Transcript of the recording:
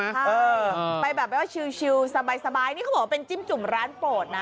เออไปแบบแบบว่าชิลสบายนี่เขาบอกว่าเป็นจิ้มจุ่มร้านโปรดนะ